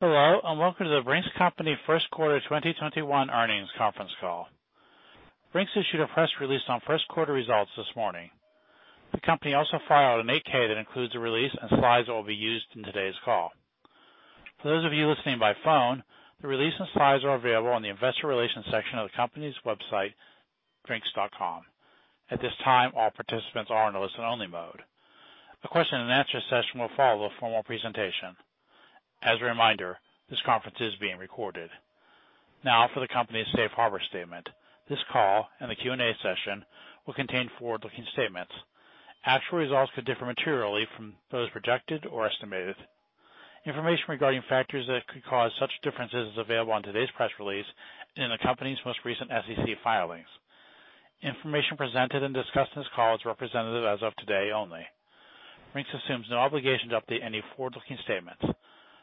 Hello, welcome to The Brink's Company first quarter 2021 earnings conference call. Brink's issued a press release on first quarter results this morning. The company also filed an 8-K that includes a release and slides that will be used in today's call. For those of you listening by phone, the release and slides are available in the investor relations section of the company's website, brinks.com. At this time, all participants are in a listen-only mode. A question and answer session will follow the formal presentation. As a reminder, this conference is being recorded. Now for the company's safe harbor statement. This call and the Q&A session will contain forward-looking statements. Actual results could differ materially from those projected or estimated. Information regarding factors that could cause such differences is available on today's press release and in the company's most recent SEC filings. Information presented and discussed in this call is representative as of today only. Brink's assumes no obligation to update any forward-looking statements.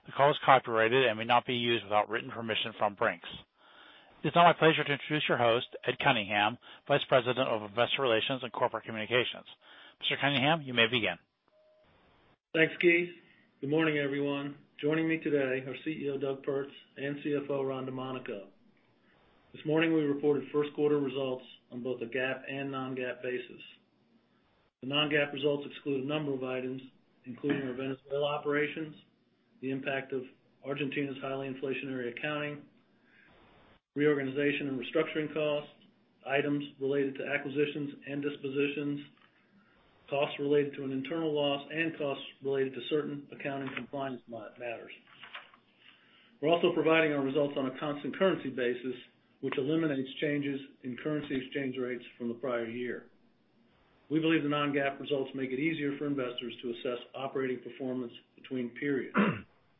The call is copyrighted and may not be used without written permission from Brink's. It's now my pleasure to introduce your host, Ed Cunningham, Vice President of Investor Relations and Corporate Communications. Mr. Cunningham, you may begin. Thanks, Keith. Good morning, everyone. Joining me today are CEO, Doug Pertz, and CFO, Ron Domanico. This morning, we reported first quarter results on both a GAAP and non-GAAP basis. The non-GAAP results exclude a number of items, including our Venezuela operations, the impact of Argentina's highly inflationary accounting, reorganization and restructuring costs, items related to acquisitions and dispositions, costs related to an internal loss, and costs related to certain accounting compliance matters. We're also providing our results on a constant currency basis, which eliminates changes in currency exchange rates from the prior year. We believe the non-GAAP results make it easier for investors to assess operating performance between periods.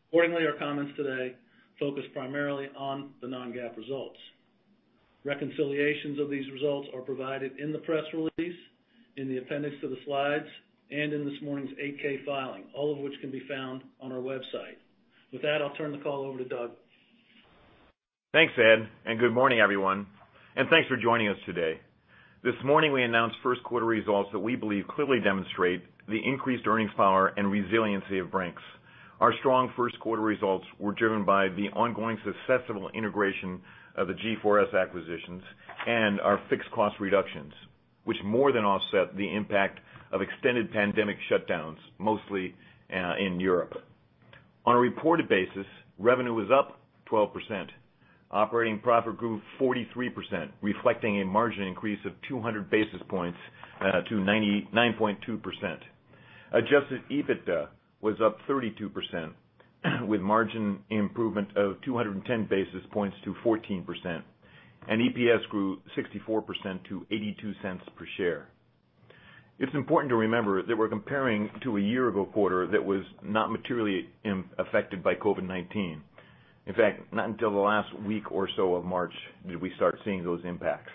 Accordingly, our comments today focus primarily on the non-GAAP results. Reconciliations of these results are provided in the press release, in the appendix to the slides, and in this morning's 8-K filing, all of which can be found on our website. With that, I'll turn the call over to Doug. Thanks, Ed, and good morning, everyone. Thanks for joining us today. This morning, we announced first quarter results that we believe clearly demonstrate the increased earnings power and resiliency of Brink's. Our strong first quarter results were driven by the ongoing successful integration of the G4S acquisitions and our fixed cost reductions, which more than offset the impact of extended pandemic shutdowns, mostly in Europe. On a reported basis, revenue was up 12%. Operating profit grew 43%, reflecting a margin increase of 200 basis points to 99.2%. Adjusted EBITDA was up 32%, with margin improvement of 210 basis points to 14%. EPS grew 64% to $0.82 per share. It's important to remember that we're comparing to a year ago quarter that was not materially affected by COVID-19. In fact, not until the last week or so of March did we start seeing those impacts.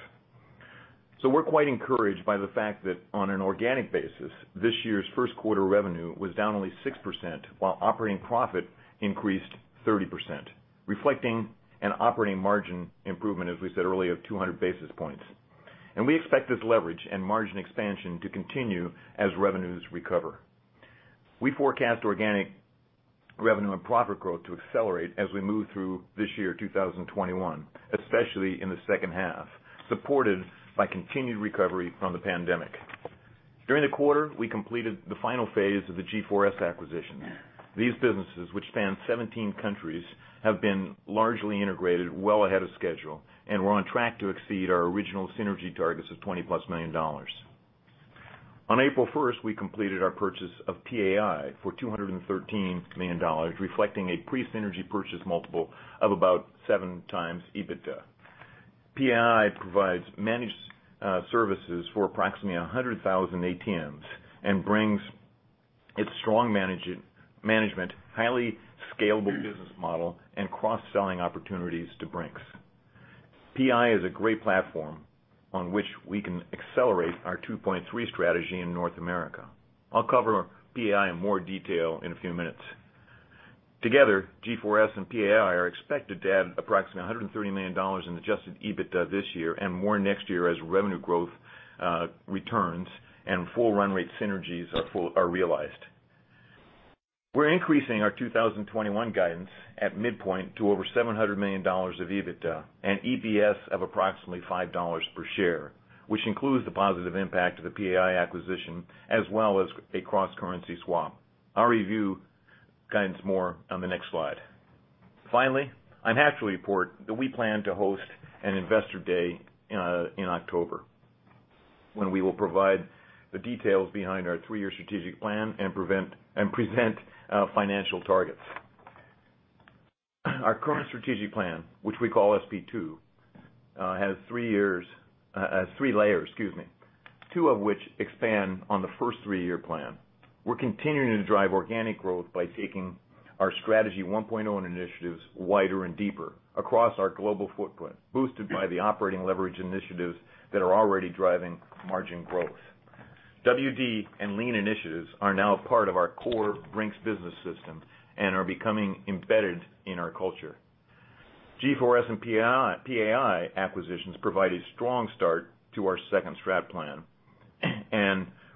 We're quite encouraged by the fact that on an organic basis, this year's first quarter revenue was down only 6%, while operating profit increased 30%, reflecting an operating margin improvement, as we said earlier, of 200 basis points. We expect this leverage and margin expansion to continue as revenues recover. We forecast organic revenue and profit growth to accelerate as we move through this year, 2021, especially in the second half, supported by continued recovery from the pandemic. During the quarter, we completed the final phase of the G4S acquisition. These businesses, which span 17 countries, have been largely integrated well ahead of schedule, and we're on track to exceed our original synergy targets of $20+ million. On April 1st, we completed our purchase of PAI for $213 million, reflecting a pre-synergy purchase multiple of about 7 times EBITDA. PAI provides managed services for approximately 100,000 ATMs and brings its strong management, highly scalable business model, and cross-selling opportunities to Brink's. PAI is a great platform on which we can accelerate our 2.3 strategy in North America. I'll cover PAI in more detail in a few minutes. Together, G4S and PAI are expected to add approximately $130 million in adjusted EBITDA this year and more next year as revenue growth returns and full run rate synergies are realized. We're increasing our 2021 guidance at midpoint to over $700 million of EBITDA and EPS of approximately $5 per share, which includes the positive impact of the PAI acquisition as well as a cross-currency swap. I'll review guidance more on the next slide. Finally, I'm happy to report that we plan to host an investor day in October, when we will provide the details behind our three-year strategic plan and present financial targets. Our current strategic plan, which we call SP2, has three layers. Two of which expand on the first three-year plan. We're continuing to drive organic growth by taking our Strategy 1.0 initiatives wider and deeper across our global footprint, boosted by the operating leverage initiatives that are already driving margin growth. WD and Lean initiatives are now part of our core Brink's Business System and are becoming embedded in our culture. G4S and PAI acquisitions provide a strong start to our second strat plan.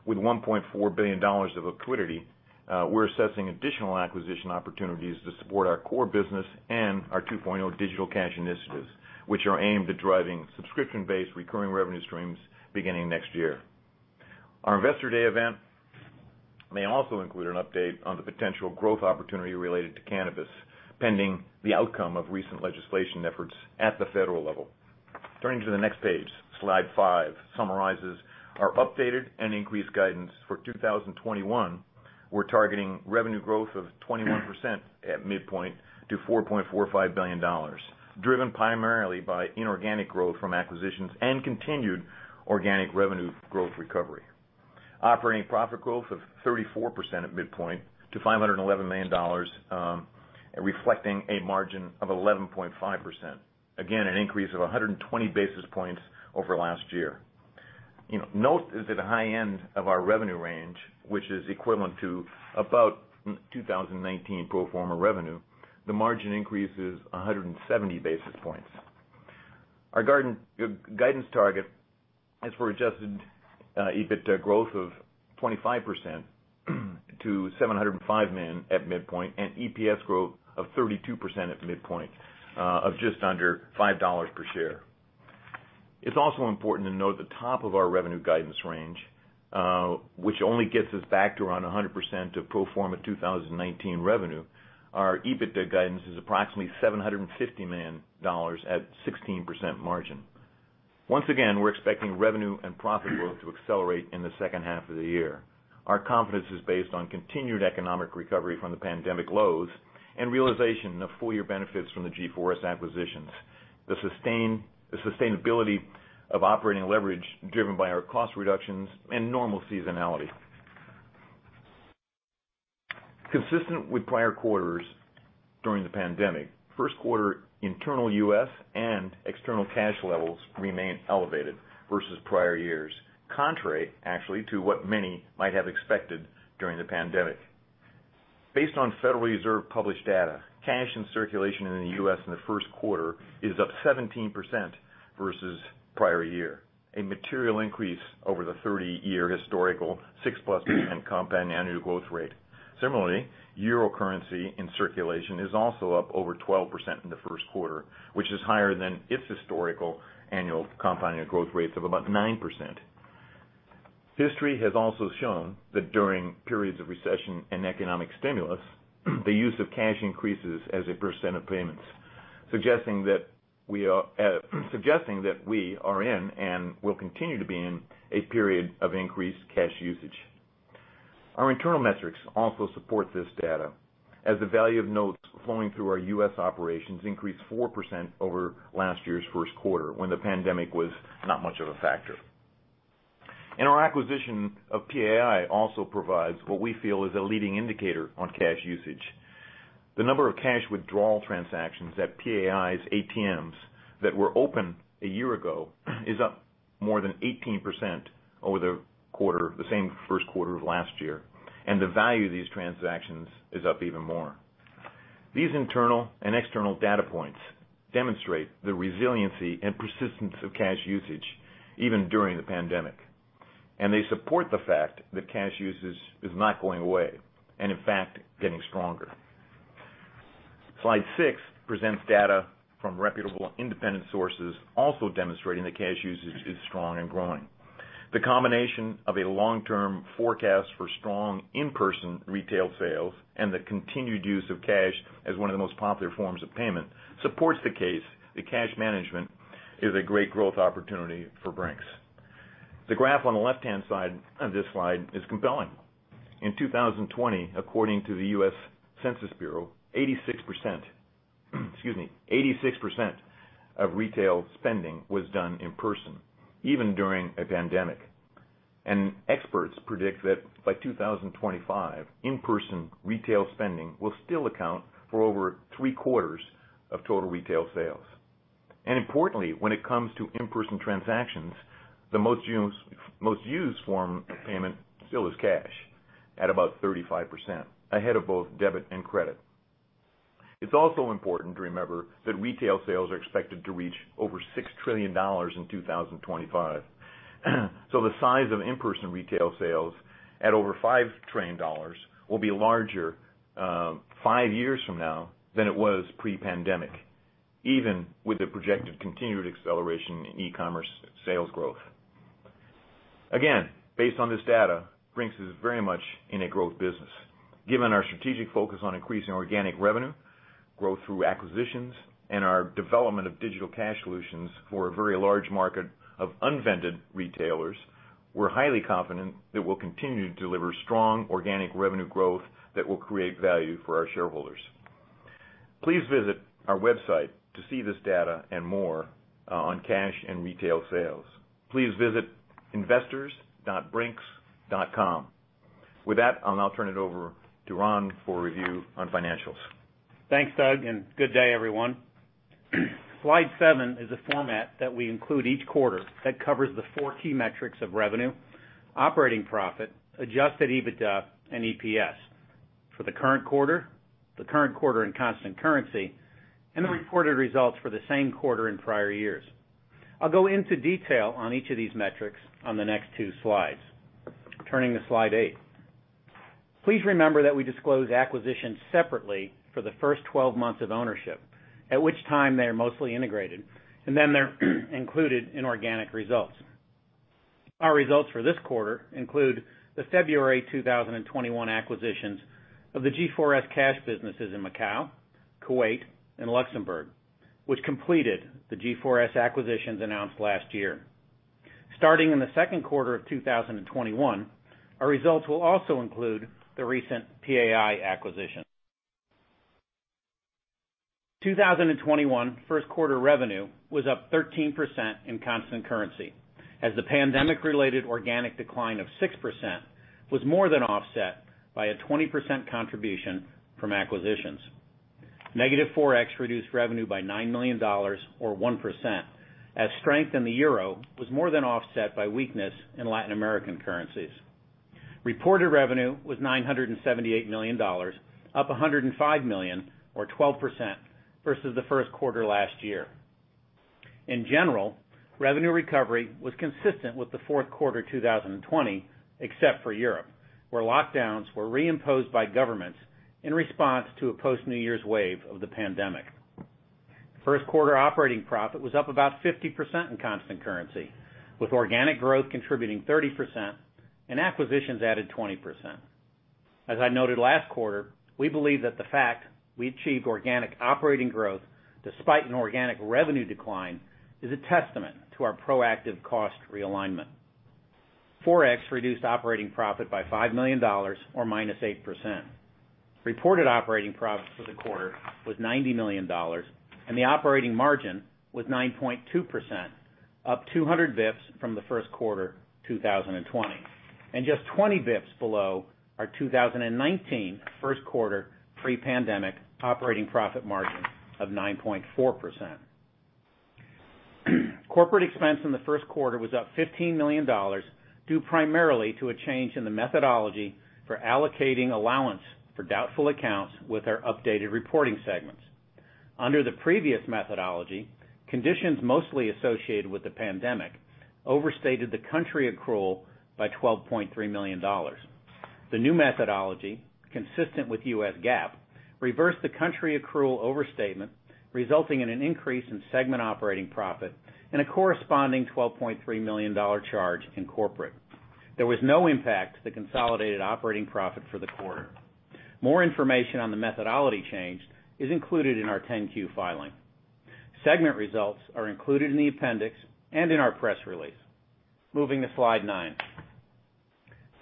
With $1.4 billion of liquidity, we're assessing additional acquisition opportunities to support our core business and our 2.0 digital cash initiatives, which are aimed at driving subscription-based recurring revenue streams beginning next year. Our Investor Day event may also include an update on the potential growth opportunity related to cannabis, pending the outcome of recent legislation efforts at the federal level. Turning to the next page, slide five summarizes our updated and increased guidance for 2021. We're targeting revenue growth of 21% at midpoint to $4.45 billion, driven primarily by inorganic growth from acquisitions and continued organic revenue growth recovery. Operating profit growth of 34% at midpoint to $511 million, reflecting a margin of 11.5%. Again, an increase of 120 basis points over last year. Note is at the high end of our revenue range, which is equivalent to about 2019 pro forma revenue, the margin increase is 170 basis points. Our guidance target is for adjusted EBITDA growth of 25% to $705 million at midpoint, and EPS growth of 32% at midpoint of just under $5 per share. It's also important to note the top of our revenue guidance range, which only gets us back to around 100% of pro forma 2019 revenue. Our EBITDA guidance is approximately $750 million at 16% margin. Once again, we're expecting revenue and profit growth to accelerate in the second half of the year. Our confidence is based on continued economic recovery from the pandemic lows and realization of full-year benefits from the G4S acquisitions, the sustainability of operating leverage driven by our cost reductions and normal seasonality. Consistent with prior quarters during the pandemic, first quarter internal U.S. and external cash levels remain elevated versus prior years, contrary actually to what many might have expected during the pandemic. Based on Federal Reserve published data, cash in circulation in the U.S. in the first quarter is up 17% versus prior year, a material increase over the 30-year historical 6+ % compound annual growth rate. Similarly, euro currency in circulation is also up over 12% in the first quarter, which is higher than its historical annual compounded growth rates of about 9%. History has also shown that during periods of recession and economic stimulus, the use of cash increases as a % of payments suggesting that we are in and will continue to be in a period of increased cash usage. Our internal metrics also support this data as the value of notes flowing through our U.S. operations increased 4% over last year's first quarter when the pandemic was not much of a factor. Our acquisition of PAI also provides what we feel is a leading indicator on cash usage. The number of cash withdrawal transactions at PAI's ATMs that were open a year ago is up more than 18% over the quarter, the same first quarter of last year. The value of these transactions is up even more. These internal and external data points demonstrate the resiliency and persistence of cash usage even during the pandemic. They support the fact that cash usage is not going away and in fact, getting stronger. Slide six presents data from reputable independent sources, also demonstrating that cash usage is strong and growing. The combination of a long-term forecast for strong in-person retail sales and the continued use of cash as one of the most popular forms of payment supports the case that cash management is a great growth opportunity for Brink's. The graph on the left-hand side of this slide is compelling. In 2020, according to the U.S. Census Bureau, 86% of retail spending was done in person even during a pandemic. Experts predict that by 2025, in-person retail spending will still account for over three-quarters of total retail sales. Importantly, when it comes to in-person transactions, the most used form of payment still is cash at about 35%, ahead of both debit and credit. It's also important to remember that retail sales are expected to reach over six trillion dollars in 2025. The size of in-person retail sales at over five trillion dollars will be larger five years from now than it was pre-pandemic, even with the projected continued acceleration in e-commerce sales growth. Again, based on this data, Brink's is very much in a growth business. Given our strategic focus on increasing organic revenue, growth through acquisitions, and our development of digital cash solutions for a very large market of unvended retailers, we're highly confident that we'll continue to deliver strong organic revenue growth that will create value for our shareholders. Please visit our website to see this data and more on cash and retail sales. Please visit investors.brinks.com. With that, I'll now turn it over to Ron for a review on financials. Thanks, Doug, and good day everyone. Slide seven is a format that we include each quarter that covers the four key metrics of revenue, operating profit, adjusted EBITDA and EPS, for the current quarter, the current quarter in constant currency, and the reported results for the same quarter in prior years. I'll go into detail on each of these metrics on the next two slides. Turning to slide eight. Please remember that we disclose acquisitions separately for the first 12 months of ownership, at which time they are mostly integrated, and then they're included in organic results. Our results for this quarter include the February 2021 acquisitions of the G4S Cash businesses in Macau, Kuwait, and Luxembourg, which completed the G4S acquisitions announced last year. Starting in the second quarter of 2021, our results will also include the recent PAI acquisition. 2021 first quarter revenue was up 13% in constant currency, as the pandemic-related organic decline of 6% was more than offset by a 20% contribution from acquisitions. Negative ForEx reduced revenue by $9 million, or 1%, as strength in the euro was more than offset by weakness in Latin American currencies. Reported revenue was $978 million, up $105 million, or 12%, versus the first quarter last year. In general, revenue recovery was consistent with the fourth quarter 2020, except for Europe, where lockdowns were reimposed by governments in response to a post New Year's wave of the pandemic. First quarter operating profit was up about 50% in constant currency, with organic growth contributing 30% and acquisitions added 20%. As I noted last quarter, we believe that the fact we achieved organic operating growth despite an organic revenue decline is a testament to our proactive cost realignment. ForEx reduced operating profit by $5 million, or -8%. Reported operating profit for the quarter was $90 million, and the operating margin was 9.2%, up 200 basis points from the first quarter 2020, and just 20 basis points below our 2019 first quarter pre-pandemic operating profit margin of 9.4%. Corporate expense in the first quarter was up $15 million, due primarily to a change in the methodology for allocating allowance for doubtful accounts with our updated reporting segments. Under the previous methodology, conditions mostly associated with the pandemic overstated the country accrual by $12.3 million. The new methodology, consistent with US GAAP, reversed the country accrual overstatement, resulting in an increase in segment operating profit and a corresponding $12.3 million charge in corporate. There was no impact to the consolidated operating profit for the quarter. More information on the methodology change is included in our 10-Q filing. Segment results are included in the appendix and in our press release. Moving to slide nine.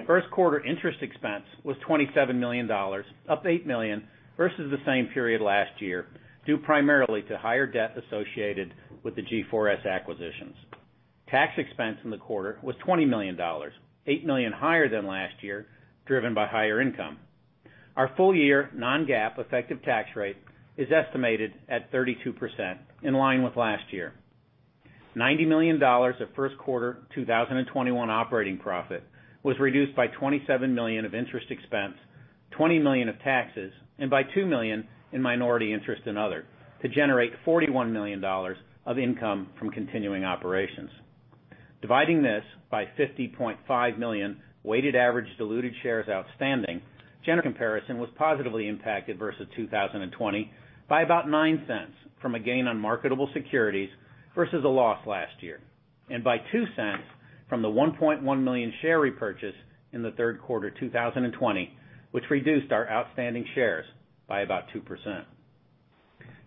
First quarter interest expense was $27 million, up $8 million versus the same period last year, due primarily to higher debt associated with the G4S acquisitions. Tax expense in the quarter was $20 million, $8 million higher than last year, driven by higher income. Our full year non-GAAP effective tax rate is estimated at 32%, in line with last year. $90 million of first quarter 2021 operating profit was reduced by $27 million of interest expense, $20 million of taxes, and by $2 million in minority interest and other to generate $41 million of income from continuing operations. Dividing this by 50.5 million weighted average diluted shares outstanding. Comparison was positively impacted versus 2020 by about $0.09 from a gain on marketable securities versus a loss last year, and by $0.02 from the 1.1 million share repurchase in the third quarter 2020, which reduced our outstanding shares by about 2%.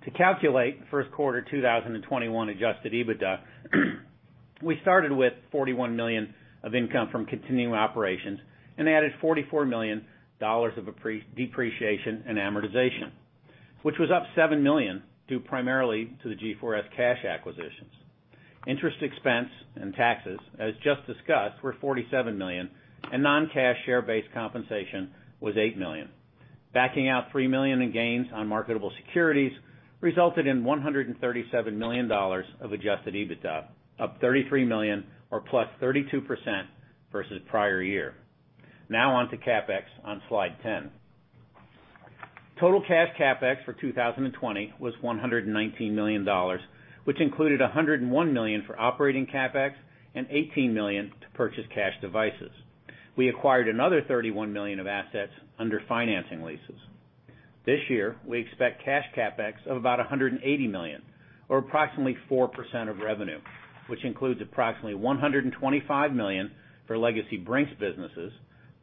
To calculate first quarter 2021 adjusted EBITDA, we started with $41 million of income from continuing operations and added $44 million of depreciation and amortization, which was up $7 million due primarily to the G4S Cash acquisitions. Interest expense and taxes, as just discussed, were $47 million, and non-cash share-based compensation was $8 million. Backing out $3 million in gains on marketable securities resulted in $137 million of adjusted EBITDA, up $33 million or +32% versus prior year. Now on to CapEx on slide 10. Total cash CapEx for 2020 was $119 million, which included $101 million for operating CapEx and $18 million to purchase cash devices. We acquired another $31 million of assets under financing leases. This year, we expect cash CapEx of about $180 million, or approximately 4% of revenue, which includes approximately $125 million for legacy Brink's businesses,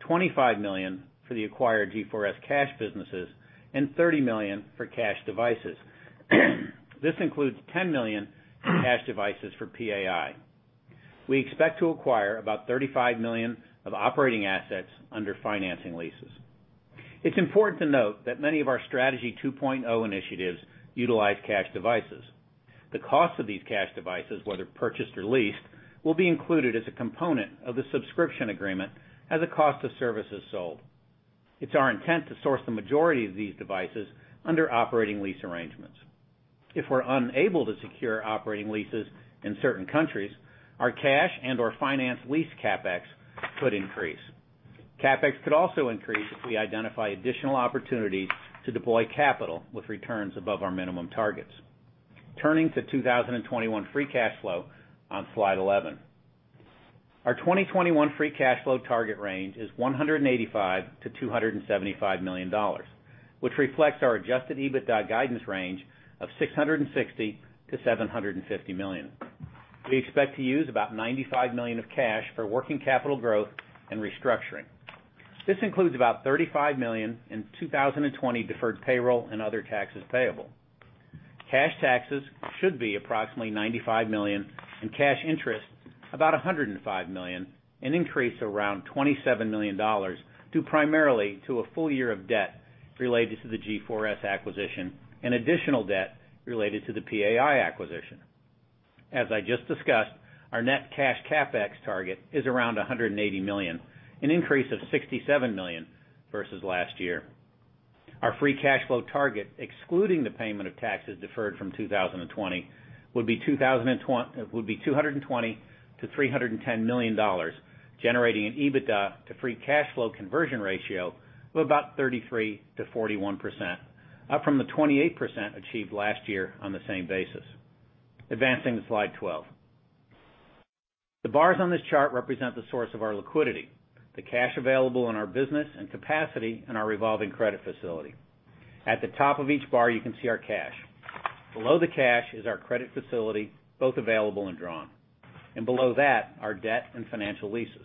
$25 million for the acquired G4S Cash businesses, and $30 million for cash devices. This includes $10 million in cash devices for PAI. We expect to acquire about $35 million of operating assets under financing leases. It's important to note that many of our Strategy 2.0 initiatives utilize cash devices. The cost of these cash devices, whether purchased or leased, will be included as a component of the subscription agreement as a cost of services sold. It's our intent to source the majority of these devices under operating lease arrangements. If we're unable to secure operating leases in certain countries, our cash and/or finance lease CapEx could increase. CapEx could also increase if we identify additional opportunities to deploy capital with returns above our minimum targets. Turning to 2021 free cash flow on slide 11. Our 2021 free cash flow target range is $185 million-$275 million, which reflects our adjusted EBITDA guidance range of $660 million-$750 million. We expect to use about $95 million of cash for working capital growth and restructuring. This includes about $35 million in 2020 deferred payroll and other taxes payable. Cash taxes should be approximately $95 million, and cash interest about $105 million, an increase of around $27 million, due primarily to a full year of debt related to the G4S acquisition and additional debt related to the PAI acquisition. As I just discussed, our net cash CapEx target is around $180 million, an increase of $67 million versus last year. Our free cash flow target, excluding the payment of taxes deferred from 2020, would be $220 million-$310 million, generating an EBITDA to free cash flow conversion ratio of about 33%-41%, up from the 28% achieved last year on the same basis. Advancing to slide 12. The bars on this chart represent the source of our liquidity, the cash available in our business and capacity in our revolving credit facility. At the top of each bar, you can see our cash. Below the cash is our credit facility, both available and drawn. Below that, our debt and financial leases.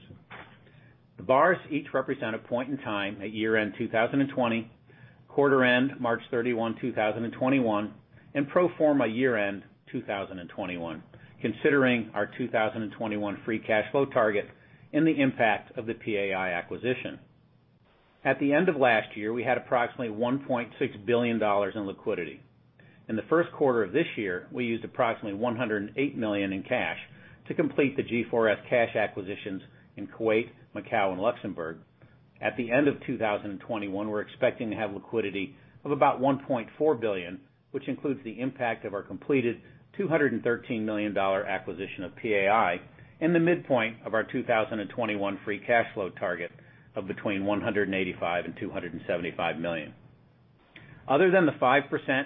The bars each represent a point in time at year-end 2020, quarter end March 31, 2021, and pro forma year-end 2021, considering our 2021 free cash flow target and the impact of the PAI acquisition. At the end of last year, we had approximately $1.6 billion in liquidity. In the first quarter of this year, we used approximately $108 million in cash to complete the G4S cash acquisitions in Kuwait, Macau and Luxembourg. At the end of 2021, we're expecting to have liquidity of about $1.4 billion, which includes the impact of our completed $213 million acquisition of PAI and the midpoint of our 2021 free cash flow target of between $185 million and $275 million. Other than the 5%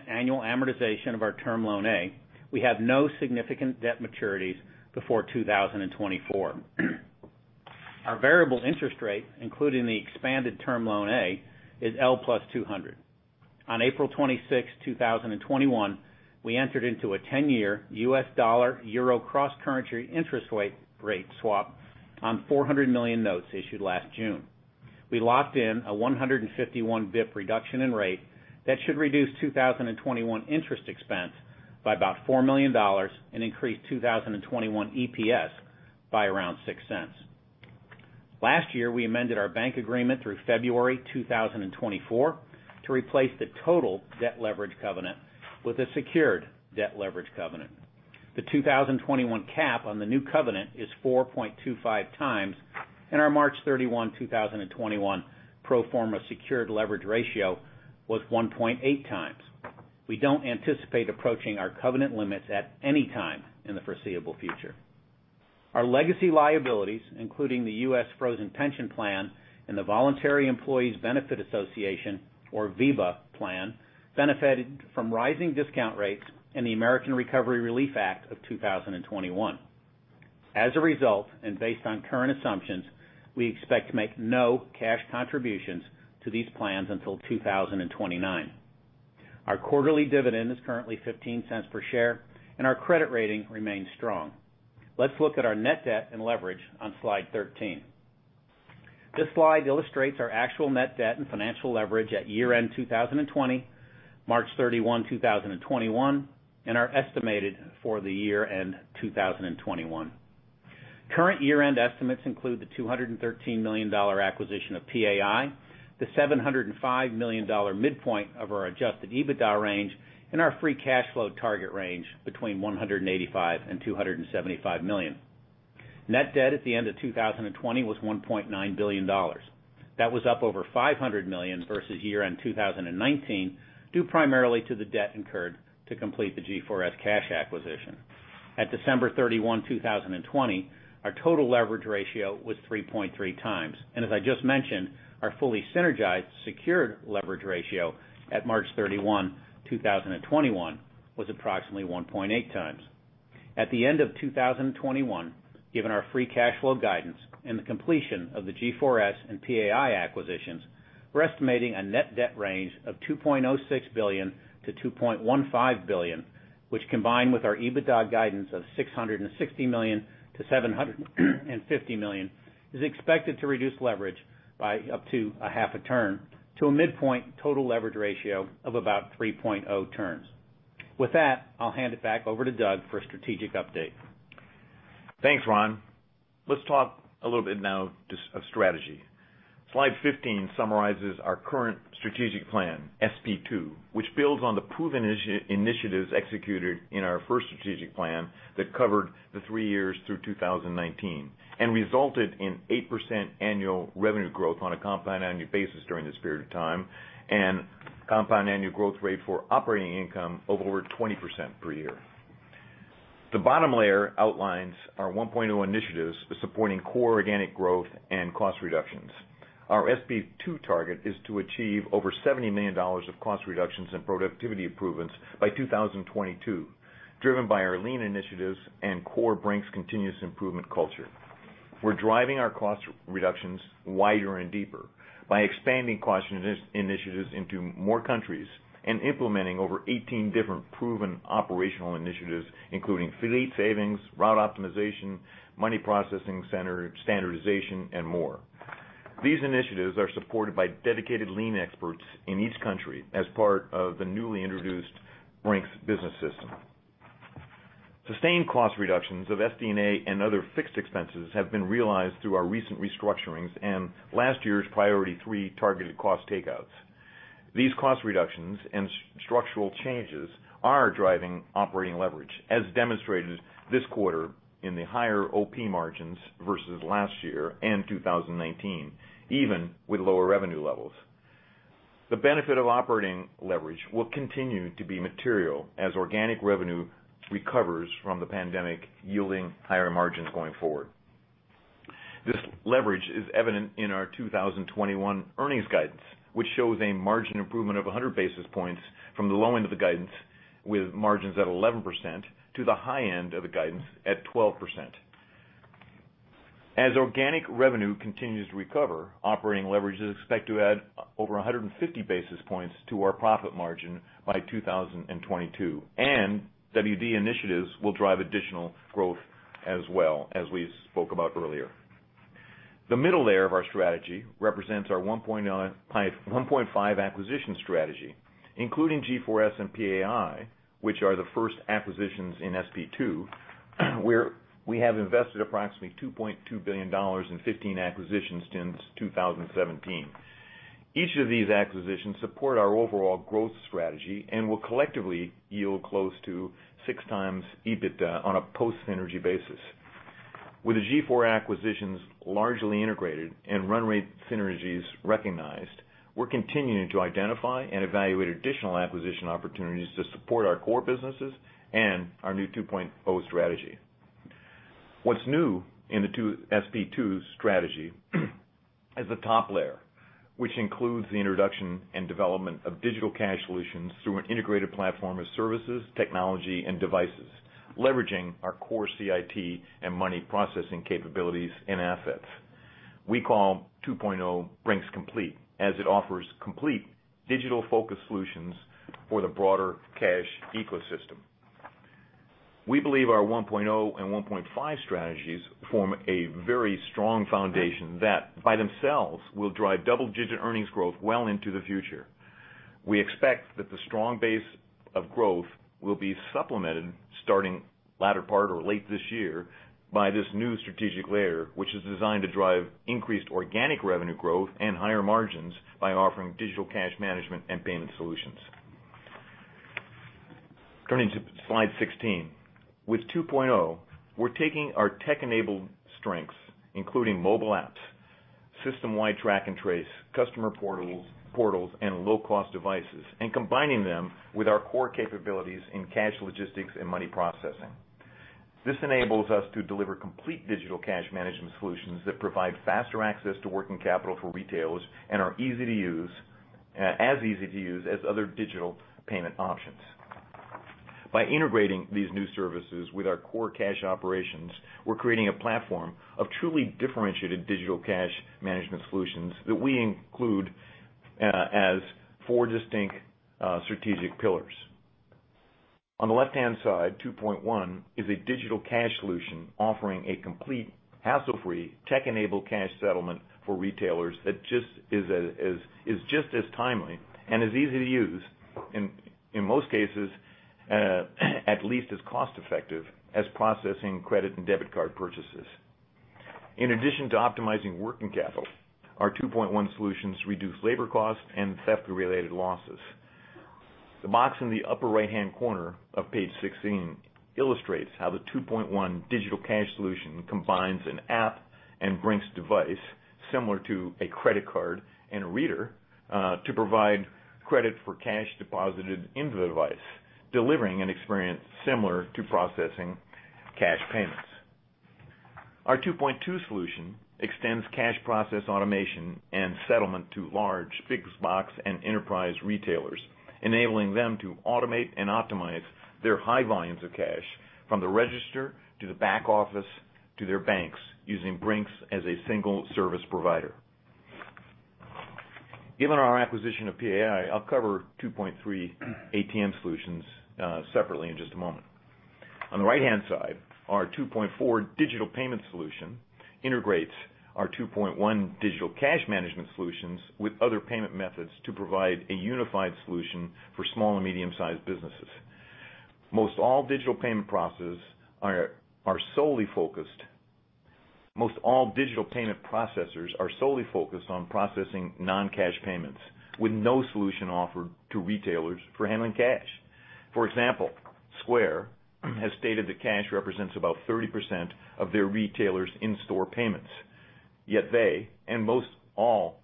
annual amortization of our term loan A, we have no significant debt maturities before 2024. Our variable interest rate, including the expanded term loan A, is L+200. On April 26, 2021, we entered into a 10-year U.S. dollar-euro cross-currency interest rate swap on $400 million notes issued last June. We locked in a 151 basis points reduction in rate that should reduce 2021 interest expense by about $4 million and increase 2021 EPS by around $0.06. Last year, we amended our bank agreement through February 2024 to replace the total debt leverage covenant with a secured debt leverage covenant. The 2021 cap on the new covenant is 4.25 times, and our March 31, 2021 pro forma secured leverage ratio was 1.8 times. We don't anticipate approaching our covenant limits at any time in the foreseeable future. Our legacy liabilities, including the U.S. Frozen Pension Plan and the Voluntary Employees' Beneficiary Association, or VEBA Plan, benefited from rising discount rates and the American Rescue Plan Act of 2021. Based on current assumptions, we expect to make no cash contributions to these plans until 2029. Our quarterly dividend is currently $0.15 per share, and our credit rating remains strong. Let's look at our net debt and leverage on slide 13. This slide illustrates our actual net debt and financial leverage at year-end 2020, March 31, 2021, and are estimated for the year-end 2021. Current year-end estimates include the $213 million acquisition of PAI, the $705 million midpoint of our adjusted EBITDA range, and our free cash flow target range between $185 million and $275 million. Net debt at the end of 2020 was $1.9 billion. That was up over $500 million versus year-end 2019, due primarily to the debt incurred to complete the G4S cash acquisition. At December 31, 2020, our total leverage ratio was 3.3 times, and as I just mentioned, our fully synergized secured leverage ratio at March 31, 2021 was approximately 1.8 times. At the end of 2021, given our free cash flow guidance and the completion of the G4S and PAI acquisitions, we're estimating a net debt range of $2.06 billion-$2.15 billion, which combined with our EBITDA guidance of $660 million-$750 million, is expected to reduce leverage by up to a half a turn to a midpoint total leverage ratio of about 3.0 turns. With that, I'll hand it back over to Doug for a strategic update. Thanks, Ron. Let's talk a little bit now just of strategy. Slide 15 summarizes our current strategic plan, SP2, which builds on the proven initiatives executed in our first strategic plan that covered the three years through 2019 and resulted in 8% annual revenue growth on a compound annual basis during this period of time and compound annual growth rate for operating income of over 20% per year. The bottom layer outlines our 1.0 initiatives supporting core organic growth and cost reductions. Our SP2 target is to achieve over $70 million of cost reductions and productivity improvements by 2022, driven by our lean initiatives and core Brink's continuous improvement culture. We're driving our cost reductions wider and deeper by expanding cost initiatives into more countries and implementing over 18 different proven operational initiatives, including fleet savings, route optimization, money processing center standardization, and more. These initiatives are supported by dedicated Lean experts in each country as part of the newly introduced Brink's Business System. Sustained cost reductions of SG&A and other fixed expenses have been realized through our recent restructurings and last year's Priority three targeted cost takeouts. These cost reductions and structural changes are driving operating leverage, as demonstrated this quarter in the higher OP margins versus last year and 2019, even with lower revenue levels. The benefit of operating leverage will continue to be material as organic revenue recovers from the pandemic, yielding higher margins going forward. This leverage is evident in our 2021 earnings guidance, which shows a margin improvement of 100 basis points from the low end of the guidance, with margins at 11% to the high end of the guidance at 12%. As organic revenue continues to recover, operating leverage is expected to add over 150 basis points to our profit margin by 2022, and WD initiatives will drive additional growth as well, as we spoke about earlier. The middle layer of our strategy represents our 1.5 acquisition strategy, including G4S and PAI, which are the first acquisitions in SP2, where we have invested approximately $2.2 billion in 15 acquisitions since 2017. Each of these acquisitions support our overall growth strategy and will collectively yield close to six times EBITDA on a post-synergy basis. With the G4S acquisitions largely integrated and run rate synergies recognized, we're continuing to identify and evaluate additional acquisition opportunities to support our core businesses and our new 2.0 strategy. What's new in the SP2 strategy is the top layer, which includes the introduction and development of digital cash solutions through an integrated platform of services, technology, and devices, leveraging our core CIT and money processing capabilities and assets. We call 2.0 Brink's Complete, as it offers complete digital-focused solutions for the broader cash ecosystem. We believe our 1.0 and 1.5 strategies form a very strong foundation that by themselves will drive double-digit earnings growth well into the future. We expect that the strong base of growth will be supplemented starting latter part or late this year by this new strategic layer, which is designed to drive increased organic revenue growth and higher margins by offering digital cash management and payment solutions. Turning to slide 16. With 2.0, we're taking our tech-enabled strengths, including mobile apps, system-wide track and trace, customer portals, and low-cost devices, and combining them with our core capabilities in cash logistics and money processing. This enables us to deliver complete digital cash management solutions that provide faster access to working capital for retailers and are as easy to use as other digital payment options. By integrating these new services with our core cash operations, we're creating a platform of truly differentiated digital cash management solutions that we include as four distinct strategic pillars. On the left-hand side, 2.1 is a digital cash solution offering a complete hassle-free tech-enabled cash settlement for retailers that is just as timely and as easy to use, and in most cases, at least as cost-effective as processing credit and debit card purchases. In addition to optimizing working capital, our 2.1 solutions reduce labor costs and theft-related losses. The box in the upper right-hand corner of page 16 illustrates how the 2.1 digital cash solution combines an app and Brink's device, similar to a credit card and a reader, to provide credit for cash deposited into the device, delivering an experience similar to processing cash payments. Our 2.2 solution extends cash process automation and settlement to large big box and enterprise retailers, enabling them to automate and optimize their high volumes of cash from the register to the back office to their banks, using Brink's as a single service provider. Given our acquisition of PAI, I'll cover 2.3 ATM solutions separately in just a moment. On the right-hand side, our 2.4 digital payment solution integrates our 2.1 digital cash management solutions with other payment methods to provide a unified solution for small and medium-sized businesses. Most all digital payment processors are solely focused on processing non-cash payments with no solution offered to retailers for handling cash. For example, Square has stated that cash represents about 30% of their retailers' in-store payments. Yet they, and most all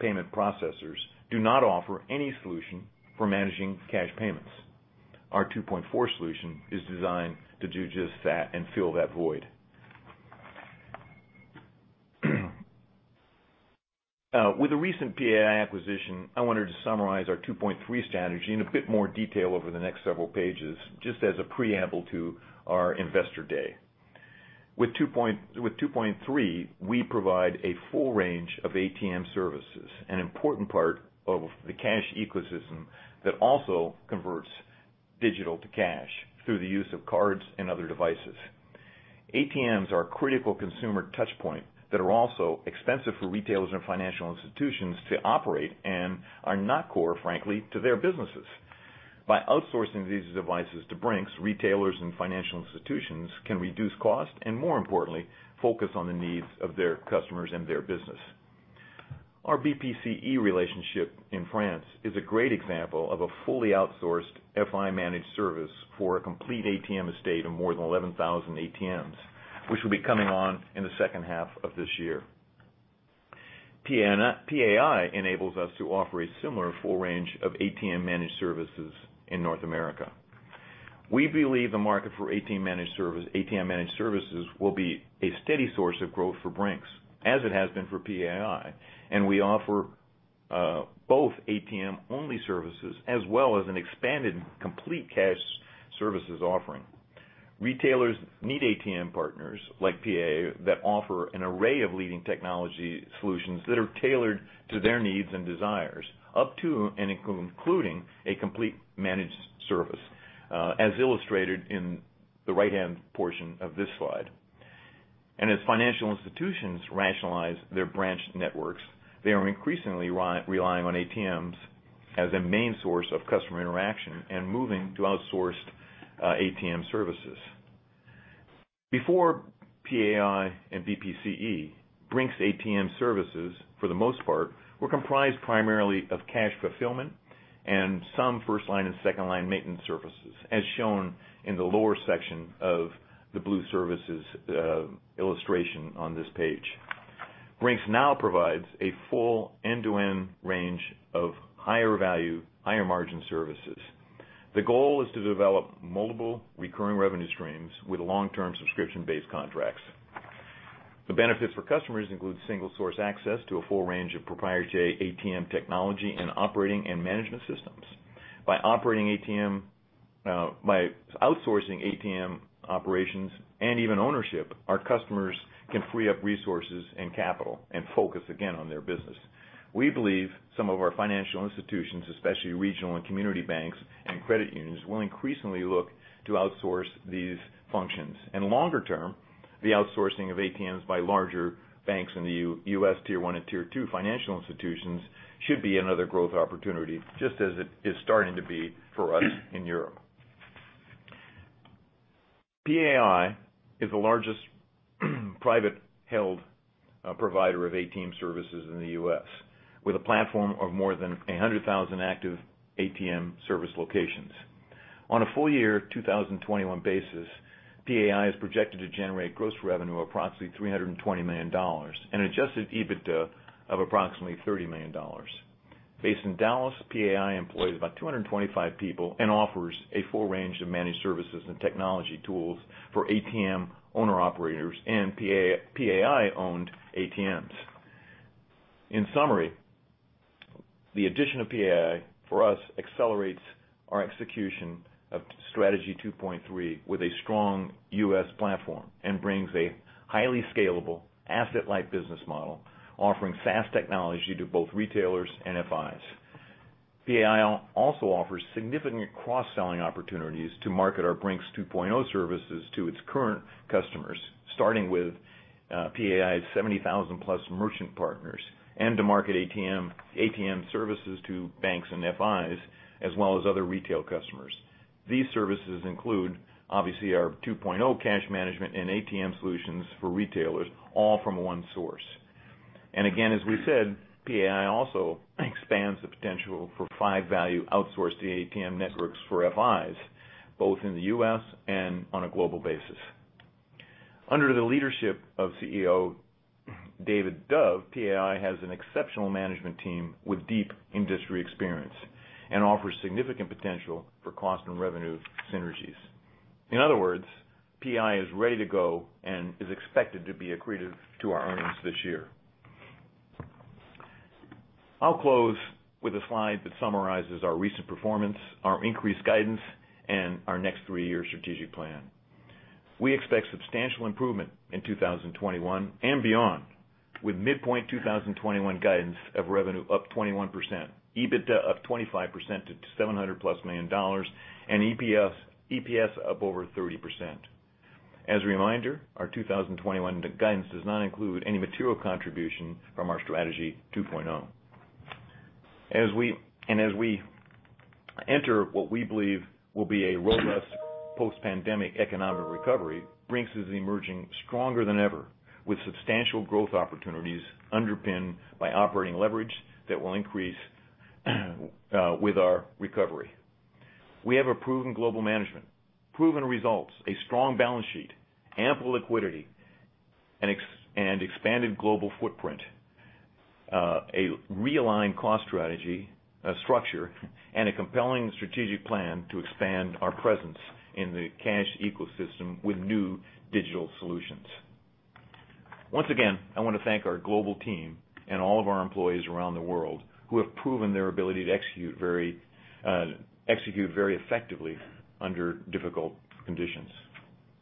payment processors, do not offer any solution for managing cash payments. Our 2.4 solution is designed to do just that and fill that void. With the recent PAI acquisition, I wanted to summarize our 2.3 strategy in a bit more detail over the next several pages, just as a preamble to our investor day. With 2.3, we provide a full range of ATM services, an important part of the cash ecosystem that also converts digital to cash through the use of cards and other devices. ATMs are a critical consumer touch point that are also expensive for retailers and financial institutions to operate, and are not core, frankly, to their businesses. By outsourcing these devices to Brink's, retailers and financial institutions can reduce cost, and more importantly, focus on the needs of their customers and their business. Our BPCE relationship in France is a great example of a fully outsourced FI managed service for a complete ATM estate of more than 11,000 ATMs, which will be coming on in the second half of this year. PAI enables us to offer a similar full range of ATM managed services in North America. We believe the market for ATM managed services will be a steady source of growth for Brink's, as it has been for PAI, and we offer both ATM-only services as well as an expanded complete cash services offering. Retailers need ATM partners like PAI that offer an array of leading technology solutions that are tailored to their needs and desires, up to and including a complete managed service, as illustrated in the right-hand portion of this slide. As financial institutions rationalize their branch networks, they are increasingly relying on ATMs as a main source of customer interaction and moving to outsourced ATM services. Before PAI and BPCE, Brink's ATM services, for the most part, were comprised primarily of cash fulfillment and some first-line and second-line maintenance services, as shown in the lower section of the blue services illustration on this page. Brink's now provides a full end-to-end range of higher value, higher margin services. The goal is to develop multiple recurring revenue streams with long-term subscription-based contracts. The benefits for customers include single source access to a full range of proprietary ATM technology and operating and management systems. By outsourcing ATM operations and even ownership, our customers can free up resources and capital and focus again on their business. We believe some of our financial institutions, especially regional and community banks and credit unions, will increasingly look to outsource these functions. In longer term, the outsourcing of ATMs by larger banks in the U.S. Tier 1 and Tier 2 financial institutions should be another growth opportunity, just as it is starting to be for us in Europe. PAI is the largest privately held provider of ATM services in the U.S., with a platform of more than 100,000 active ATM service locations. On a full year 2021 basis, PAI is projected to generate gross revenue of approximately $320 million and adjusted EBITDA of approximately $30 million. Based in Dallas, PAI employs about 225 people and offers a full range of managed services and technology tools for ATM owner-operators and PAI-owned ATMs. In summary, the addition of PAI for us accelerates our execution of Strategy 2.3 with a strong U.S. platform and brings a highly scalable asset-light business model offering SaaS technology to both retailers and FIs. PAI also offers significant cross-selling opportunities to market our Brink's 2.0 services to its current customers, starting with PAI's 70,000+ merchant partners, and to market ATM services to banks and FIs, as well as other retail customers. These services include, obviously, our 2.0 cash management and ATM solutions for retailers, all from one source. again, as we said, PAI also expands the potential for full-value outsourced ATM networks for FIs, both in the U.S. and on a global basis. Under the leadership of CEO David Dove, PAI has an exceptional management team with deep industry experience and offers significant potential for cost and revenue synergies. In other words, PAI is ready to go and is expected to be accretive to our earnings this year. I'll close with a slide that summarizes our recent performance, our increased guidance, and our next three-year strategic plan. We expect substantial improvement in 2021 and beyond, with midpoint 2021 guidance of revenue up 21%, EBITDA up 25% to $700+ million, and EPS up over 30%. As a reminder, our 2021 guidance does not include any material contribution from our Strategy 2.0. As we enter what we believe will be a robust post-pandemic economic recovery, Brink's is emerging stronger than ever with substantial growth opportunities underpinned by operating leverage that will increase with our recovery. We have a proven global management, proven results, a strong balance sheet, ample liquidity, and expanded global footprint, a realigned cost strategy, structure, and a compelling strategic plan to expand our presence in the cash ecosystem with new digital solutions. Once again, I want to thank our global team and all of our employees around the world who have proven their ability to execute very effectively under difficult conditions.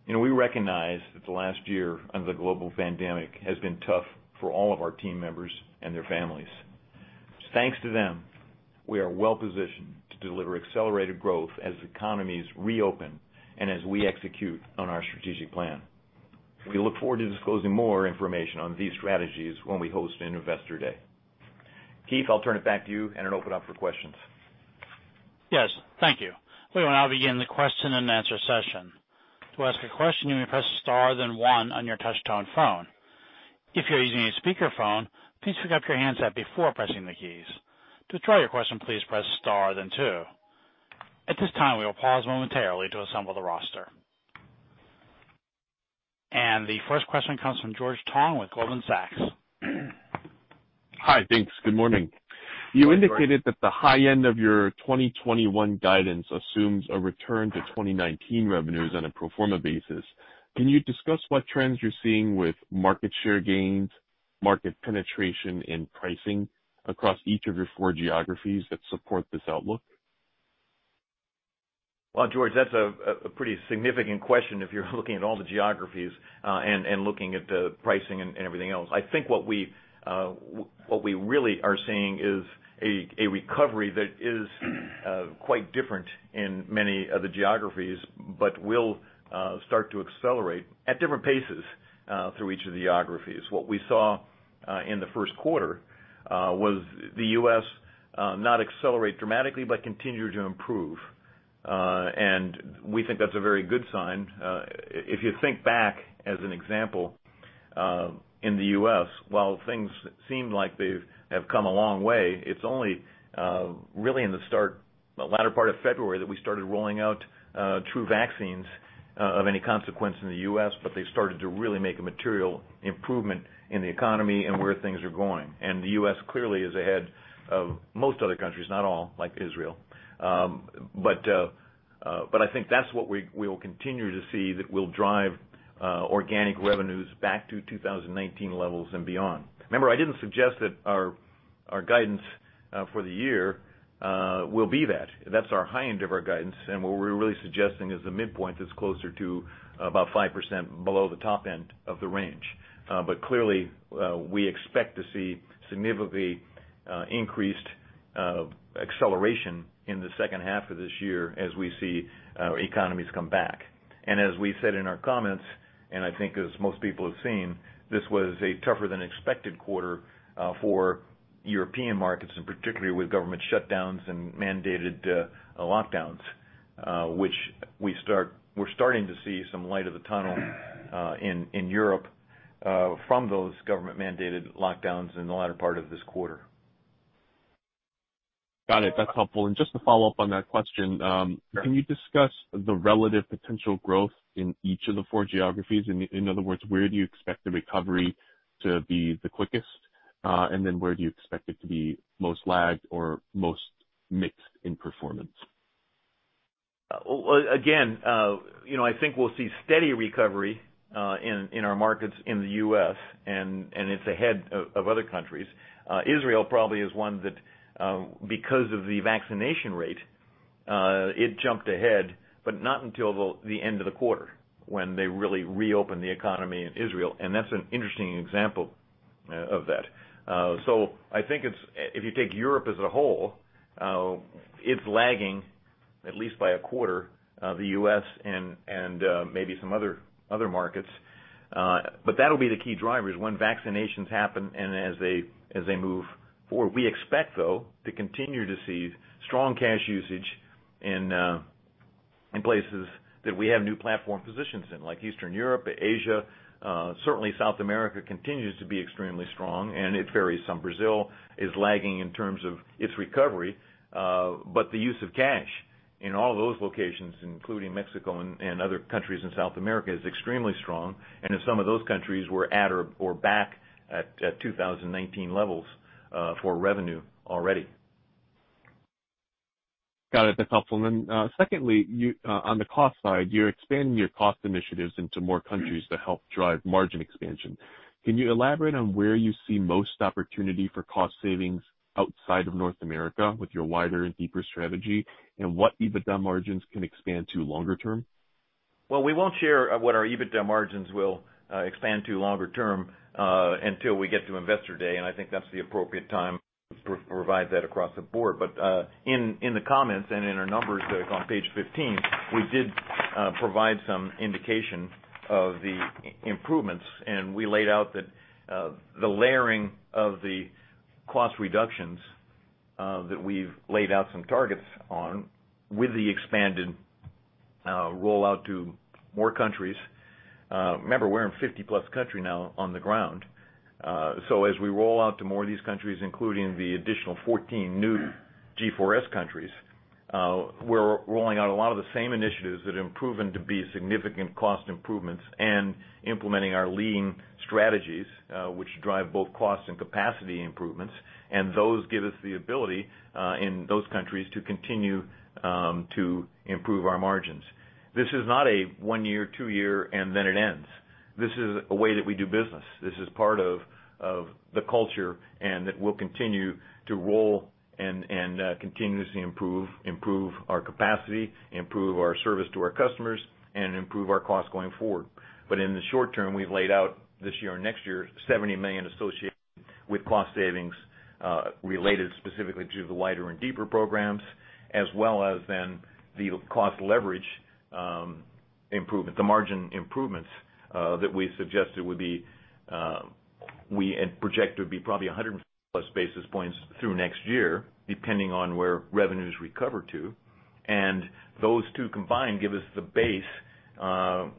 We recognize that the last year under the global pandemic has been tough for all of our team members and their families. Thanks to them, we are well-positioned to deliver accelerated growth as economies reopen and as we execute on our strategic plan. We look forward to disclosing more information on these strategies when we host an Investor Day. Keith, I'll turn it back to you and then open up for questions. The first question comes from George Tong with Goldman Sachs. Hi. Thanks. Good morning. Hi, George. You indicated that the high end of your 2021 guidance assumes a return to 2019 revenues on a pro forma basis. Can you discuss what trends you're seeing with market share gains, market penetration, and pricing across each of your four geographies that support this outlook? Well, George, that's a pretty significant question if you're looking at all the geographies and looking at the pricing and everything else. I think what we really are seeing is a recovery that is quite different in many of the geographies, but will start to accelerate at different paces through each of the geographies. What we saw in the first quarter was the U.S. not accelerate dramatically, but continue to improve. We think that's a very good sign. If you think back, as an example, in the U.S., while things seem like they've have come a long way, it's only really in the latter part of February that we started rolling out true vaccines of any consequence in the U.S., but they started to really make a material improvement in the economy and where things are going. The U.S. clearly is ahead of most other countries, not all, like Israel. I think that's what we will continue to see that will drive organic revenues back to 2019 levels and beyond. Remember, I didn't suggest that our guidance for the year will be that. That's our high end of our guidance, and what we're really suggesting is the midpoint that's closer to about 5% below the top end of the range. Clearly, we expect to see significantly increased acceleration in the second half of this year as we see economies come back. As we said in our comments, and I think as most people have seen, this was a tougher than expected quarter for European markets, and particularly with government shutdowns and mandated lockdowns, which we're starting to see some light of the tunnel in Europe from those government-mandated lockdowns in the latter part of this quarter. Got it. That's helpful. just to follow up on that question- Sure. Can you discuss the relative potential growth in each of the four geographies? In other words, where do you expect the recovery to be the quickest? Where do you expect it to be most lagged or most mixed in performance? Again, I think we'll see steady recovery in our markets in the U.S., and it's ahead of other countries. Israel probably is one that because of the vaccination rate it jumped ahead, but not until the end of the quarter when they really reopened the economy in Israel, and that's an interesting example of that. I think if you take Europe as a whole, it's lagging at least by a quarter the U.S. and maybe some other markets. That'll be the key drivers, when vaccinations happen and as they move forward. We expect, though, to continue to see strong cash usage in places that we have new platform positions in, like Eastern Europe, Asia. Certainly, South America continues to be extremely strong, and it varies. Some Brazil is lagging in terms of its recovery. The use of cash in all those locations, including Mexico and other countries in South America, is extremely strong. In some of those countries, we're at or back at 2019 levels for revenue already. Got it. That's helpful. secondly, on the cost side, you're expanding your cost initiatives into more countries to help drive margin expansion. Can you elaborate on where you see most opportunity for cost savings outside of North America with your wider and deeper strategy, and what EBITDA margins can expand to longer term? Well, we won't share what our EBITDA margins will expand to longer term until we get to Investor Day, and I think that's the appropriate time to provide that across the board. In the comments and in our numbers on page 15, we did provide some indication of the improvements, and we laid out that the layering of the cost reductions that we've laid out some targets on with the expanded Now roll out to more countries. Remember, we're in 50+ country now on the ground. As we roll out to more of these countries, including the additional 14 new G4S countries, we're rolling out a lot of the same initiatives that have proven to be significant cost improvements and implementing our Lean strategies, which drive both cost and capacity improvements. Those give us the ability in those countries to continue to improve our margins. This is not a one year, two year, and then it ends. This is a way that we do business. This is part of the culture and that we'll continue to roll and continuously improve our capacity, improve our service to our customers, and improve our cost going forward. In the short term, we've laid out this year and next year, $70 million associated with cost savings, related specifically to the wider and deeper programs, as well as then the cost leverage improvement, the margin improvements, we project it would be probably 100+ basis points through next year, depending on where revenues recover to. Those two combined give us the base,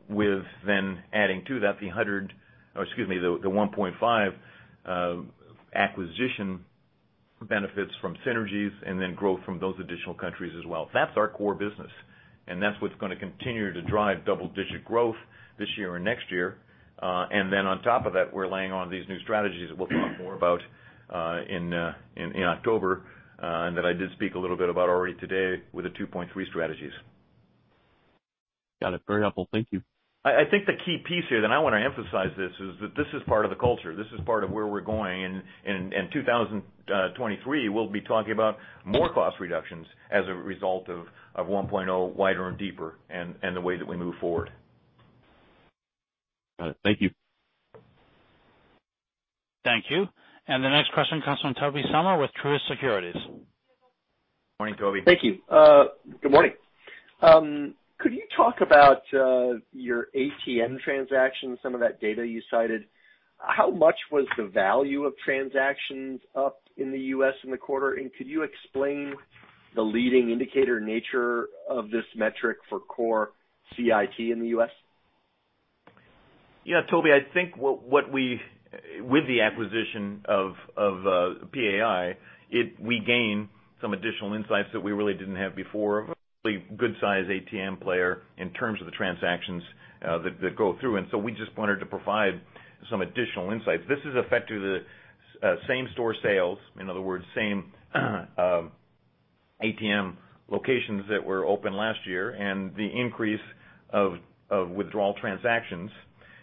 with then adding to that the 1.5 acquisition benefits from synergies and then growth from those additional countries as well. That's our core business, and that's what's going to continue to drive double-digit growth this year and next year. on top of that, we're laying on these new strategies that we'll talk more about in October, and that I did speak a little bit about already today with the 2.3 strategies. Got it. Very helpful. Thank you. I think the key piece here, and I want to emphasize this, is that this is part of the culture. This is part of where we're going. In 2023, we'll be talking about more cost reductions as a result of 1.0 wider and deeper and the way that we move forward. Got it. Thank you. Thank you. The next question comes from Tobey Sommer with Truist Securities. Morning, Tobey. Thank you. Good morning. Could you talk about your ATM transactions, some of that data you cited. How much was the value of transactions up in the U.S. in the quarter? Could you explain the leading indicator nature of this metric for core CIT in the U.S.? Yeah, Tobey, I think with the acquisition of PAI, we gain some additional insights that we really didn't have before of a really good size ATM player in terms of the transactions that go through. We just wanted to provide some additional insights. This is effectively the same store sales, in other words, same ATM locations that were open last year and the increase of withdrawal transactions.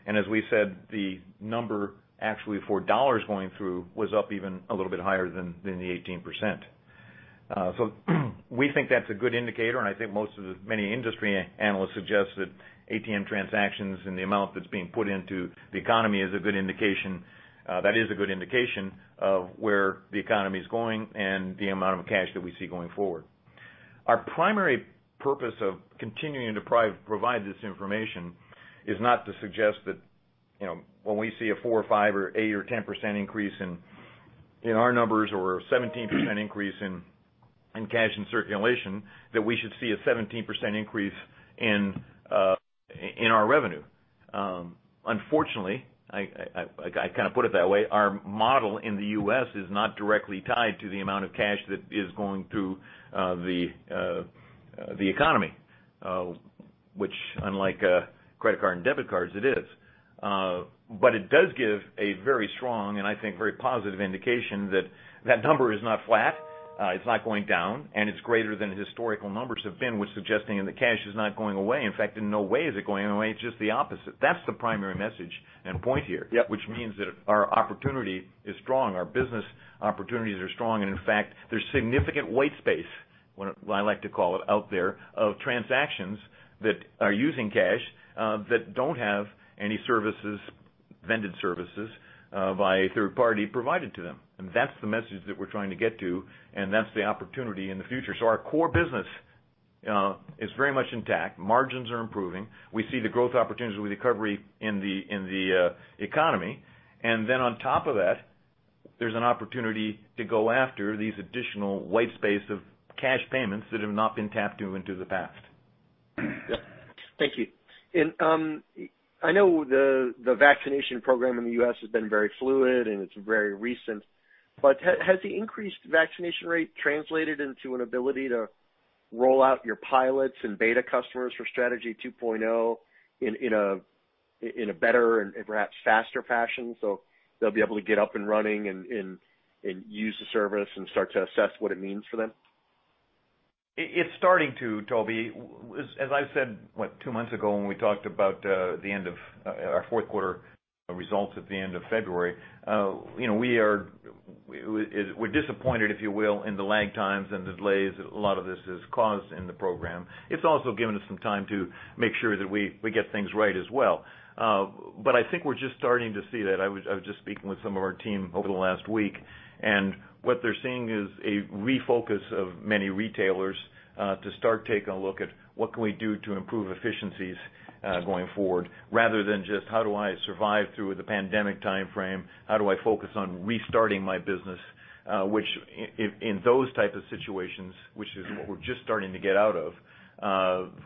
As we said, the number actually for dollars going through was up even a little bit higher than the 18%. We think that's a good indicator, and I think most of the many industry analysts suggest that ATM transactions and the amount that's being put into the economy that is a good indication of where the economy's going and the amount of cash that we see going forward. Our primary purpose of continuing to provide this information is not to suggest that when we see a four or five or eight or 10% increase in our numbers or a 17% increase in cash in circulation, that we should see a 17% increase in our revenue. Unfortunately, I kind of put it that way. Our model in the U.S. is not directly tied to the amount of cash that is going through the economy, which unlike credit card and debit cards, it is. It does give a very strong and I think very positive indication that that number is not flat, it's not going down, and it's greater than historical numbers have been, which suggesting that the cash is not going away. In fact, in no way is it going away. It's just the opposite. That's the primary message and point here. Yep. Which means that our opportunity is strong, our business opportunities are strong, and in fact, there's significant white space, what I like to call it out there, of transactions that are using cash, that don't have any vended services by a third party provided to them. that's the message that we're trying to get to, and that's the opportunity in the future. our core business is very much intact. Margins are improving. We see the growth opportunities with recovery in the economy. on top of that, there's an opportunity to go after these additional white space of cash payments that have not been tapped into the past. Yeah. Thank you. I know the vaccination program in the U.S. has been very fluid and it's very recent, but has the increased vaccination rate translated into an ability to roll out your pilots and beta customers for Strategy 2.0 in a better and perhaps faster fashion so they'll be able to get up and running and use the service and start to assess what it means for them? It's starting to, Tobey. As I said, two months ago when we talked about our fourth quarter results at the end of February, we're disappointed, if you will, in the lag times and delays a lot of this has caused in the program. It's also given us some time to make sure that we get things right as well. I think we're just starting to see that. I was just speaking with some of our team over the last week, and what they're seeing is a refocus of many retailers to start taking a look at what can we do to improve efficiencies going forward rather than just how do I survive through the pandemic timeframe? How do I focus on restarting my business? Which in those type of situations, which is what we're just starting to get out of,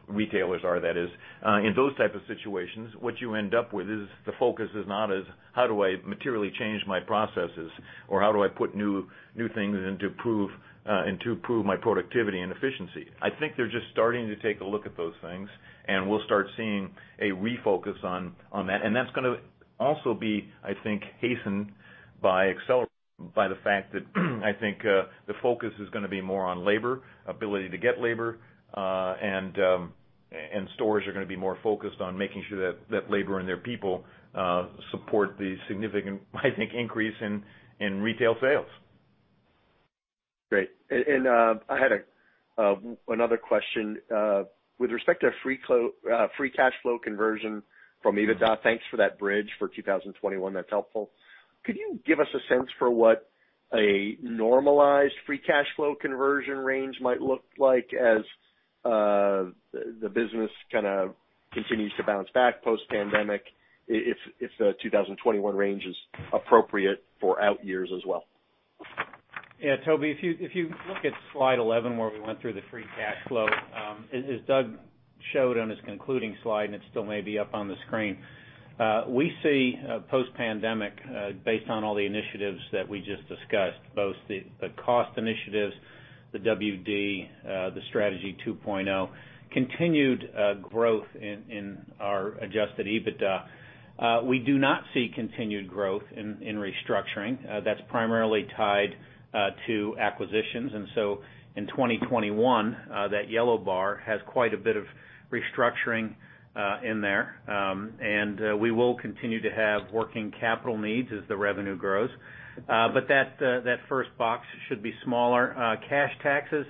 retailers are, that is. In those type of situations, what you end up with is the focus is not as how do I materially change my processes or how do I put new things in to improve my productivity and efficiency. I think they're just starting to take a look at those things and we'll start seeing a refocus on that. That's going to also be, I think, hastened by acceleration by the fact that I think the focus is going to be more on labor, ability to get labor, and stores are going to be more focused on making sure that labor and their people support the significant, I think, increase in retail sales. Great. I had another question. With respect to free cash flow conversion from EBITDA, thanks for that bridge for 2021, that's helpful. Could you give us a sense for what a normalized free cash flow conversion range might look like as the business kind of continues to bounce back post-pandemic, if the 2021 range is appropriate for out years as well? Yeah, Tobey, if you look at slide 11 where we went through the free cash flow, as Doug showed on his concluding slide, and it still may be up on the screen. We see post-pandemic, based on all the initiatives that we just discussed, both the cost initiatives, the WD, the Strategy 2.0, continued growth in our adjusted EBITDA. We do not see continued growth in restructuring. That's primarily tied to acquisitions. In 2021, that yellow bar has quite a bit of restructuring in there. We will continue to have working capital needs as the revenue grows. That first box should be smaller. Cash taxes.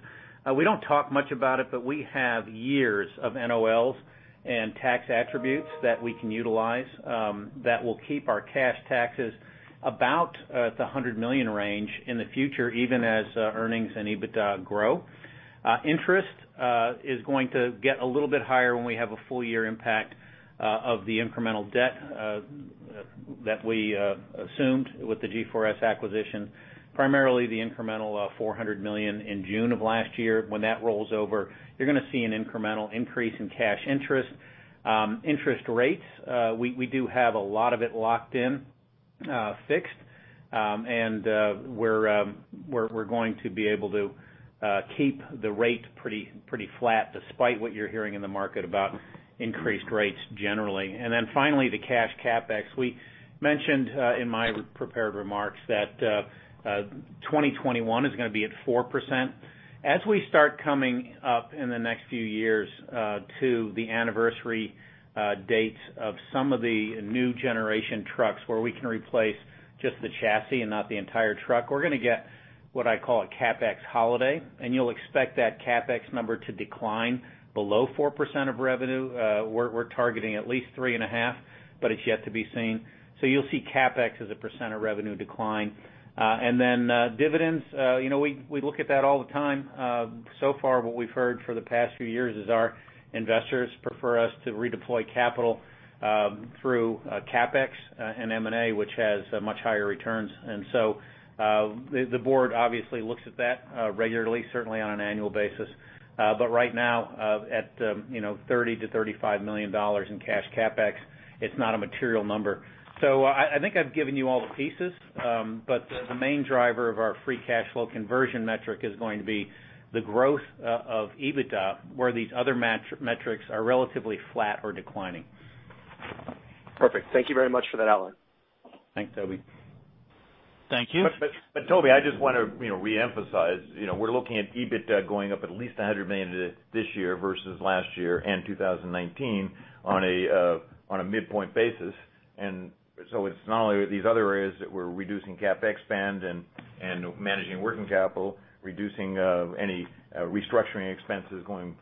We don't talk much about it, but we have years of NOLs and tax attributes that we can utilize that will keep our cash taxes about at the $100 million range in the future, even as earnings and EBITDA grow. Interest is going to get a little bit higher when we have a full year impact of the incremental debt that we assumed with the G4S acquisition, primarily the incremental 400 million in June of last year. When that rolls over, you're going to see an incremental increase in cash interest. Interest rates, we do have a lot of it locked in fixed. We're going to be able to keep the rate pretty flat despite what you're hearing in the market about increased rates generally. Finally, the cash CapEx. We mentioned in my prepared remarks that 2021 is going to be at 4%. As we start coming up in the next few years to the anniversary dates of some of the new generation trucks where we can replace just the chassis and not the entire truck, we're going to get what I call a CapEx holiday, and you'll expect that CapEx number to decline below 4% of revenue. We're targeting at least three and a half, but it's yet to be seen. You'll see CapEx as a % of revenue decline. Dividends, we look at that all the time. So far, what we've heard for the past few years is our investors prefer us to redeploy capital through CapEx and M&A, which has much higher returns. The board obviously looks at that regularly, certainly on an annual basis. Right now, at $30-$35 million in cash CapEx, it's not a material number. I think I've given you all the pieces, but the main driver of our free cash flow conversion metric is going to be the growth of EBITDA, where these other metrics are relatively flat or declining. Perfect. Thank you very much for that outline. Thanks, Tobey. Thank you. Tobey, I just want to re-emphasize. We're looking at EBITDA going up at least $100 million this year versus last year and 2019 on a midpoint basis. It's not only these other areas that we're reducing CapEx spend and managing working capital, reducing any restructuring expenses going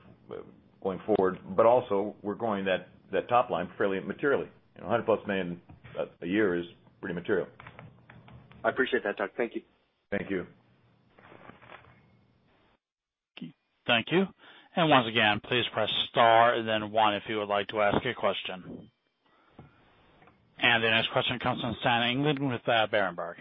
forward. Also, we're growing that top line fairly materially. $100+ million a year is pretty material. I appreciate that, Doug. Thank you. Thank you. Thank you. Once again, please press star and then one if you would like to ask a question. The next question comes from Sam England with Berenberg.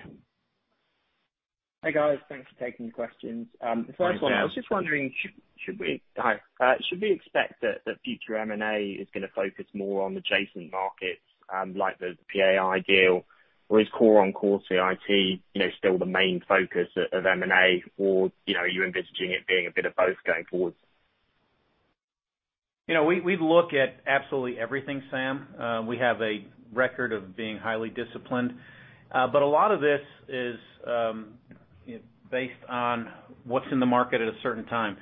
Hey, guys. Thanks for taking the questions. The first one- Hi, Sam. I was just wondering, should we expect that future M&A is going to focus more on adjacent markets, like the PAI deal? Or is core on core CIT still the main focus of M&A, or are you envisaging it being a bit of both going forward? We look at absolutely everything, Sam England. We have a record of being highly disciplined. A lot of this is based on what's in the market at a certain time.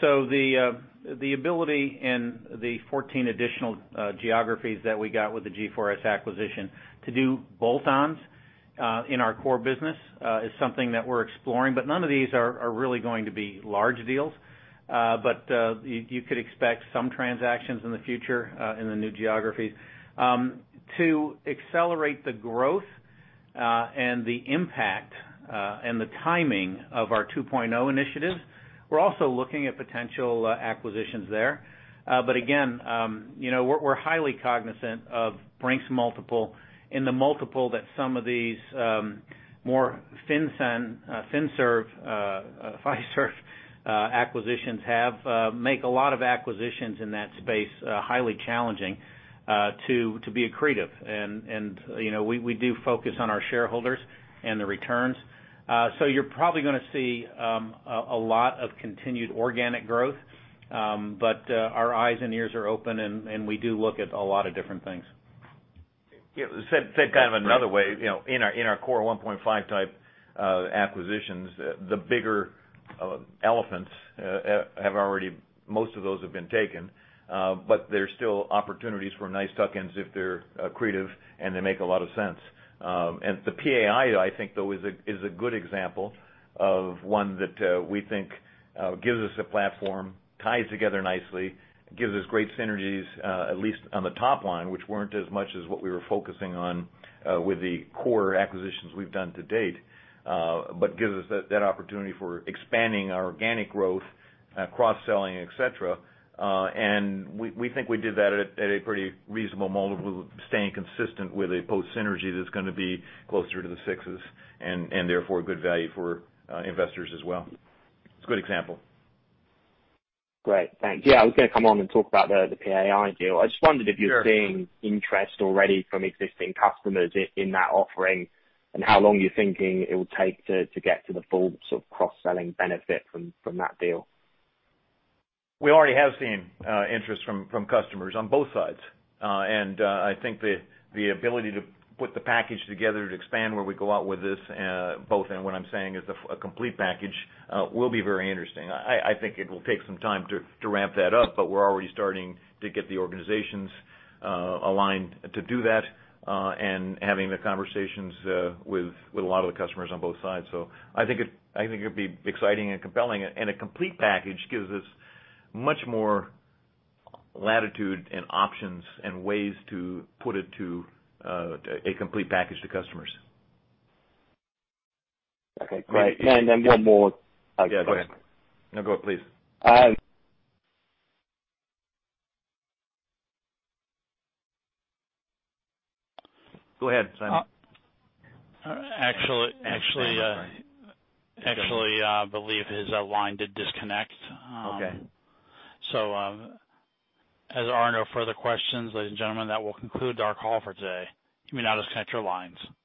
The ability in the 14 additional geographies that we got with the G4S acquisition to do bolt-ons in our core business is something that we're exploring. None of these are really going to be large deals. You could expect some transactions in the future in the new geographies. To accelerate the growth and the impact and the timing of our 2.0 initiatives, we're also looking at potential acquisitions there. Again, we're highly cognizant of Brink's multiple and the multiple that some of these more FinServ acquisitions have make a lot of acquisitions in that space highly challenging to be accretive. We do focus on our shareholders and the returns. You're probably going to see a lot of continued organic growth. Our eyes and ears are open, and we do look at a lot of different things. Said kind of another way, in our core 1.5 type acquisitions, the bigger elephants, most of those have been taken. There's still opportunities for nice tuck-ins if they're accretive, and they make a lot of sense. The PAI, I think, though, is a good example of one that we think gives us a platform, ties together nicely, gives us great synergies, at least on the top line, which weren't as much as what we were focusing on with the core acquisitions we've done to date. Gives us that opportunity for expanding our organic growth, cross-selling, et cetera. We think we did that at a pretty reasonable multiple, staying consistent with a post synergy that's going to be closer to the 6s, and therefore, good value for investors as well. It's a good example. Great. Thanks. Yeah, I was going to come on and talk about the PAI deal. I just wondered if you're- Sure. Seeing interest already from existing customers in that offering, and how long you're thinking it will take to get to the full sort of cross-selling benefit from that deal? We already have seen interest from customers on both sides. I think the ability to put the package together to expand where we go out with this, both in what I'm saying is a complete package, will be very interesting. I think it will take some time to ramp that up, but we're already starting to get the organizations aligned to do that, and having the conversations with a lot of the customers on both sides. I think it'd be exciting and compelling. A complete package gives us much more latitude and options and ways to put it to a complete package to customers. Okay, great. One more. Yeah, go ahead. No, go please. Go ahead, Sam. Actually, I believe his line did disconnect. Okay. As there are no further questions, ladies and gentlemen, that will conclude our call for today. You may now disconnect your lines. Thank you.